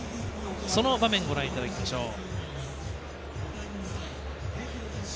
その場面、ご覧いただきましょう。